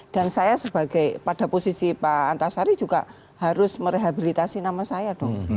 dan saya sebagai pada posisi pak antasari juga harus merehabilitasi nama saya dong